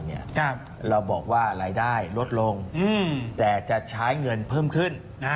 เราบอกว่ารายได้ลดลงแต่จะใช้เงินเพิ่มขึ้น